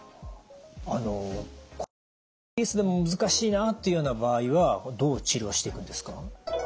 あのこのマウスピースでも難しいなっていうような場合はどう治療していくんですか？